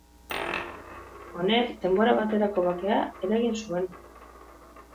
Honek, denbora baterako bakea eragin zuen.